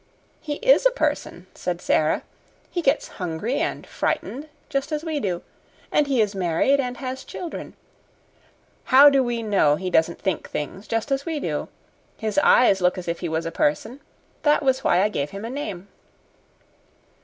"He IS a person," said Sara. "He gets hungry and frightened, just as we do; and he is married and has children. How do we know he doesn't think things, just as we do? His eyes look as if he was a person. That was why I gave him a name."